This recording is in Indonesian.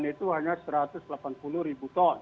menurut rata rata biasa kebutuhan kita perbudayaan